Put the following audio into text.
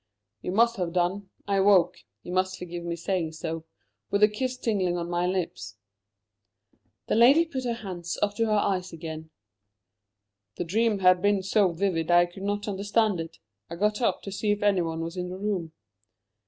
"You must have done. I woke you must forgive my saying so with a kiss tingling on my lips." The lady put her hands up to her eyes again. "The dream had been so vivid I could not understand it. I got up to see if anyone was in the room."